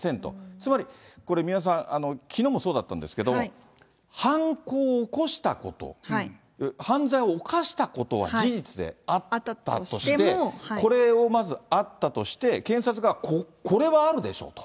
つまりこの三輪さん、きのうもそうだったんですけど、犯行を起こしたこと、犯罪を犯したことは事実であったとして、これをまずあったとして、検察が、これはあるでしょうと。